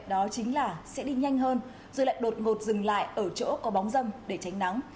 đó chính là sẽ đi nhanh hơn rồi lại đột ngột dừng lại ở chỗ có bóng dâm để tránh nắng